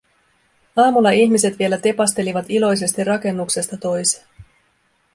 Aamulla ihmiset vielä tepastelivat iloisesti rakennuksesta toiseen.